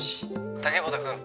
☎竹本君